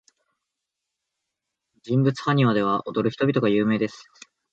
人物埴輪では、踊る人々が有名です。